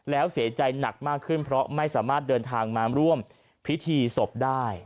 แล้วเสียใจหนักมากขึ้นเพราะไม่สามารถเดินทางมาร่วมพิธีศพได้